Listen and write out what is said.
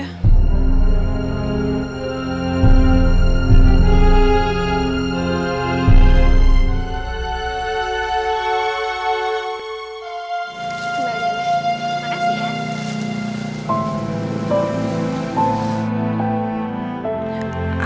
terima kasih ya